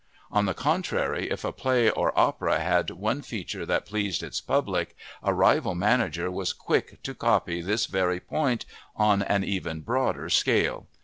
On the contrary, if a play or opera had one feature that pleased its public, a rival manager was quick to copy this very point on an even broader scale.